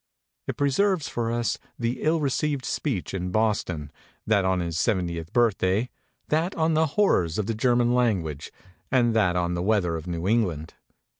It preserves for us the ill received speech in Boston, that on his seventieth birthday, that on the horrors of the German language and that on the weather of New England.